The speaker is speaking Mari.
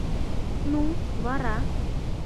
— Ну, вара?